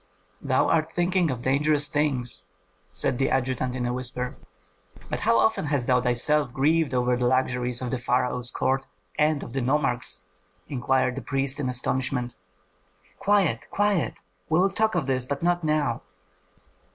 "Thou art thinking of dangerous things," said the adjutant, in a whisper. "But how often hast thou thyself grieved over the luxuries of the pharaoh's court and of the nomarchs?" inquired the priest in astonishment. "Quiet, quiet! We will talk of this, but not now."